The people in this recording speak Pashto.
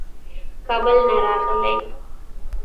کابل نه راغلی.